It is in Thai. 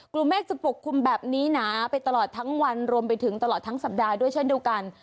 เมฆจะปกคลุมแบบนี้หนาไปตลอดทั้งวันรวมไปถึงตลอดทั้งสัปดาห์ด้วยเช่นเดียวกัน